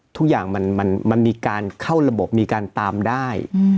ทุกอย่างมันมีการเข้าระบบมีการตามได้